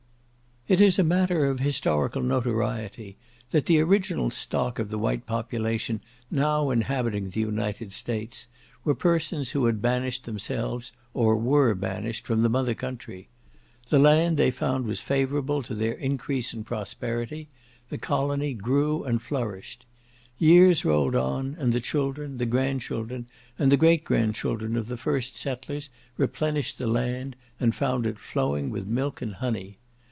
It is a matter of historical notoriety that the original stock of the white population now inhabiting the United States, were persons who had banished themselves, or were banished from the mother country. The land they found was favourable to their increase and prosperity; the colony grew and flourished. Years rolled on, and the children, the grand children, and the great grand children of the first settlers, replenished the land, and found it flowing with milk and honey.